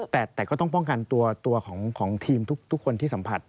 แต่ก็ต้องป้องกันตัวของทีมทุกคนที่สัมผัส